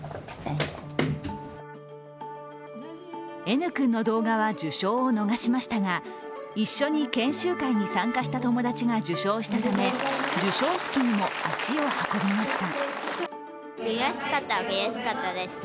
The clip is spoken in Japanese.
Ｎ君の動画は受賞を逃しましたが一緒に研修会に参加した友達が受賞したため授賞式にも足を運びました。